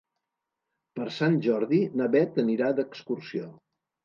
Per Sant Jordi na Bet anirà d'excursió.